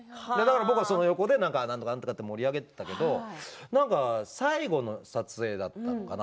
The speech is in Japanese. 僕は、その横で盛り上げていって最後の撮影だったのかな？